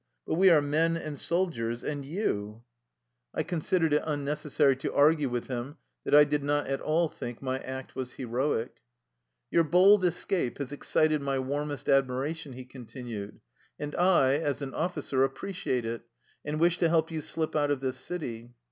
But we are men and soldiers, and you! " 224 THE LIFE STORY OF A EUSSIAN EXILE I considered it unnecessary to argue with him that I did not at all think my act was heroic. " Your bold escape has excited my warmest admiration," he continued, " and I, as an officer, appreciate it, and wish to help you slip out of this city.